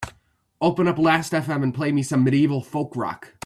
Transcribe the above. Open up Last Fm and play me some Medieval Folk Rock